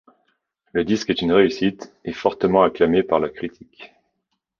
Le disque est une réussite et fortement acclamé par la critique.